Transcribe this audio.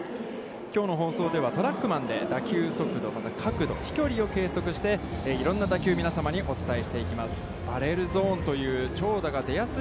きょうの放送では、トラックマンで打球の速度角度、飛距離を計測して、いろんな打球を皆様にお伝えしていきます。